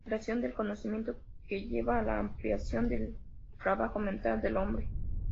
La creación de conocimiento, que lleva a la ampliación del trabajo mental del hombre.